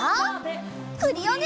クリオネ！